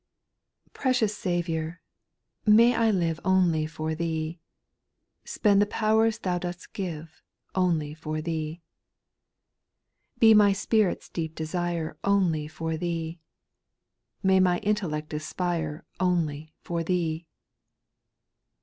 pRECIOUS Saviour, may I live 1 Only for Thee. ' Spend the powers Thou dost give, Only for Thee. ' 2. Be my spirit's deep desire Only for Thee. May my intellect aspire Only for Thee.